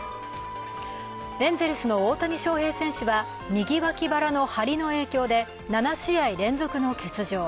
エンゼルスの大谷翔平選手は右脇腹の張りの影響で７試合連続の欠場。